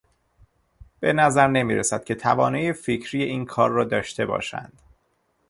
به نظر نمیرسد که توانایی فکری این کار را داشته باشند.